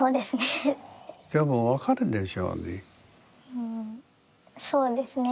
うんそうですね。